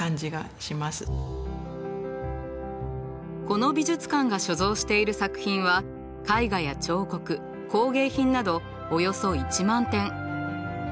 この美術館が所蔵している作品は絵画や彫刻工芸品などおよそ１万点。